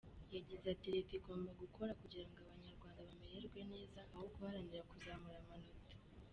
Yagize ati “Leta igomba gukora kugira ngo Abanyarwanda bamererwe neza aho guharanira kuzamura amanota.